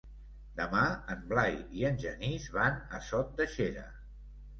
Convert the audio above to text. Demà en Blai i en Genís van a Sot de Xera.